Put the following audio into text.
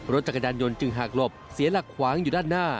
รถจักรยานยนต์จึงหากหลบเสียหลักขวางอยู่ด้านหน้า